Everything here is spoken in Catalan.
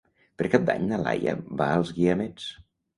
Per Cap d'Any na Laia va als Guiamets.